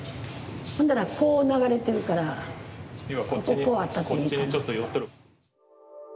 ほんだらこう流れてるからここはあったってええかなと。